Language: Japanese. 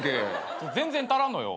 全然足らんのよ。